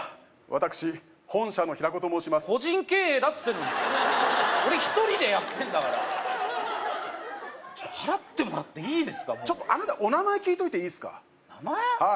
私本社の平子と申します個人経営だっつってんのに俺一人でやってんだから払ってもらっていいですかお名前聞いといていいすか名前？